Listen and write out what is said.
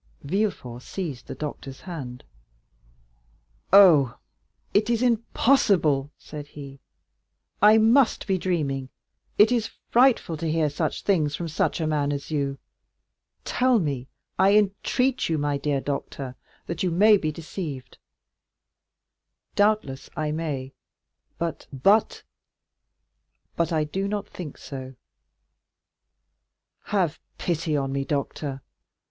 Villefort seized the doctor's hand. "Oh, it is impossible," said he, "I must be dreaming! It is frightful to hear such things from such a man as you! Tell me, I entreat you, my dear doctor, that you may be deceived." "Doubtless I may, but——" "But?" 30345m "But I do not think so." "Have pity on me doctor!